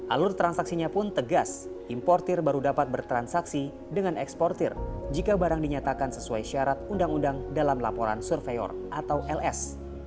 alur transaksinya pun tegas importir baru dapat bertransaksi dengan eksportir jika barang dinyatakan sesuai syarat undang undang dalam laporan surveyor atau ls